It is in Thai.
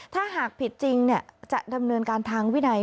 ถ้าหากผิดจริงจะดำเนินการทางวินัย